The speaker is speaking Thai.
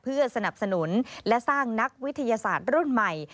เพื่อสนับสนุนและสร้างนักวิทยาศาสตร์รุ่นใหม่